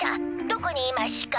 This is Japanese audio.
どこにいましゅか？」。